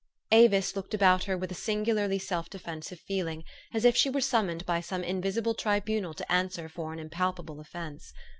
Avis looked about her with a singularly self defensive feeling, as if she were summoned by some invisible tribunal to answer for an impalpable offence.